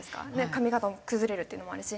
髪形も崩れるっていうのもあるし。